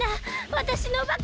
わたしのバカ！